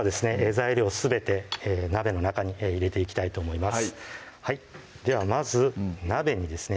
材料すべて鍋の中に入れていきたいと思いますではまず鍋にですね